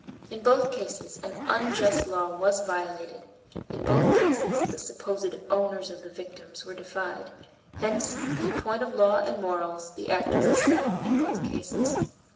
In both cases an unjust law was violated; in both cases the supposed owners of the victims were defied; hence, in point of law and morals, the act was the same in both cases.